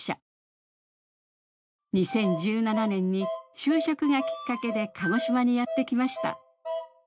２０１７年に就職がきっかけで鹿児島にやってきました。